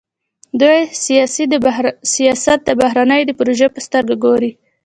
دوی سیاست د بهرنیو د پروژې په سترګه ګوري.